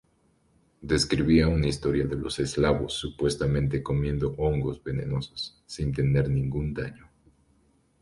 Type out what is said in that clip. Describía una historia de los eslavos supuestamente comiendo hongos venenosos sin tener ningún daño.